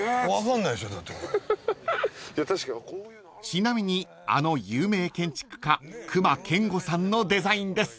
［ちなみにあの有名建築家隈研吾さんのデザインです］